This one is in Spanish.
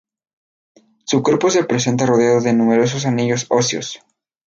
Su cuerpo se presenta rodeado de numerosos anillos óseos.